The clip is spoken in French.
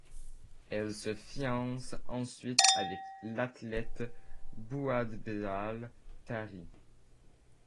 Elle se fiance ensuite avec l'athlète Bouabdellah Tahri.